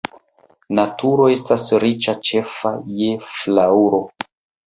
Naturo estas riĉa ĉefe je flaŭro.